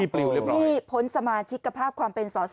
นี่พ้นสมาชิกภาพความเป็นสอสอ